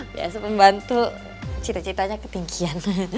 biasa membantu cita citanya ketinggian